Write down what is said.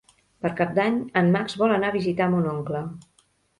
Per Cap d'Any en Max vol anar a visitar mon oncle.